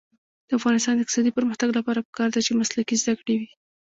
د افغانستان د اقتصادي پرمختګ لپاره پکار ده چې مسلکي زده کړې وي.